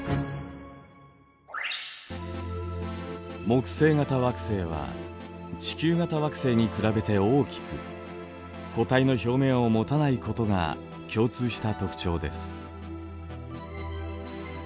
木星型惑星は地球型惑星に比べて大きく固体の表面を持たないことが共通した特徴です。